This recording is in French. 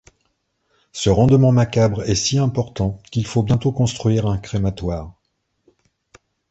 Ce rendement macabre est si important qu'il faut bientôt construire un crématoire.